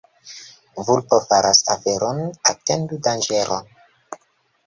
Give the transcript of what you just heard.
Vulpo faras oferon — atendu danĝeron.